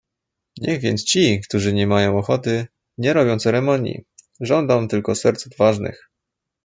"Niech więc ci, którzy niemają ochoty, nie robią ceremonii; żądam tylko serc odważnych."